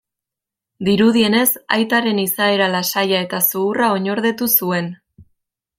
Dirudienez, aitaren izaera lasaia eta zuhurra oinordetu zuen.